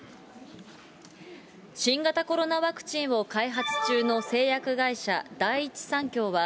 新型コロナワクチンを開発中の製薬会社、第一三共は、